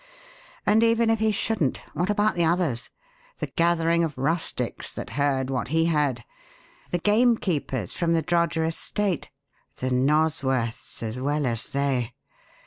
And even if he shouldn't, what about the others? The gathering of rustics that heard what he heard? The gamekeepers from the Droger estate? The Nosworths, as well as they?